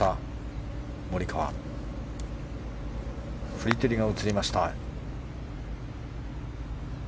フリテリが映りました。